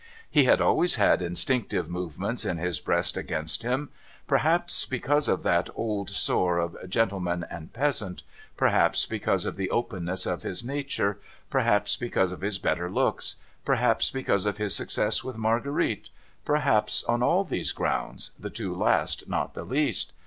He had always had instinctive movements in his breast against him ; perhaps, because THE BURDEN OF THE RHINE 539 of that old sore of gentleman and peasant ; perhaps, because of the openness of his nature ; perhaps, because of his better looks ; perhaps, because of his success with Marguerite ; perhaps, on all those grounds, the two last not the least.